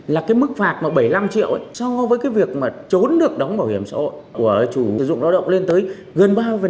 là cái mức phạt mà bảy mươi năm triệu so với cái việc mà trốn được đóng bảo hiểm xã hội của chủ người dụng lao động lên tới gần ba mươi